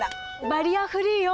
バリアフリーよ。